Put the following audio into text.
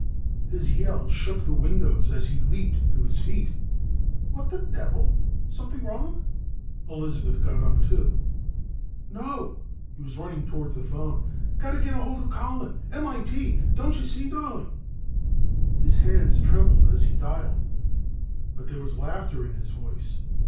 _" His yell shook the windows as he leaped to his feet. "What the devil something wrong?" Elizabeth got up too. "No!" He was running toward the phone. "Got to get hold of Colin M.I.T. don't you see, darling?" His hands trembled as he dialed, but there was laughter in his voice.